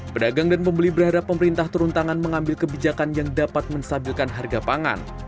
pedagang dan pembeli berharap pemerintah turun tangan mengambil kebijakan yang dapat menstabilkan harga pangan